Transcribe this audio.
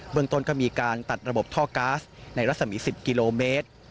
เมืองต้นก็มีการตัดระบบท่อก๊าซในรัศมี๑๐กิโลเมตร